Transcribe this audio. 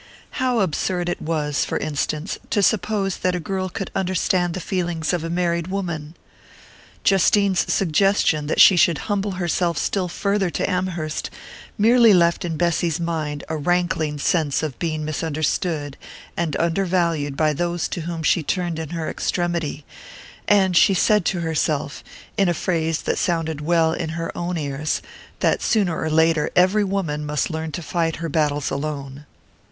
How absurd it was, for instance, to suppose that a girl could understand the feelings of a married woman! Justine's suggestion that she should humble herself still farther to Amherst merely left in Bessy's mind a rankling sense of being misunderstood and undervalued by those to whom she turned in her extremity, and she said to herself, in a phrase that sounded well in her own ears, that sooner or later every woman must learn to fight her battles alone.